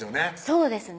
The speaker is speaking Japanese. そうですね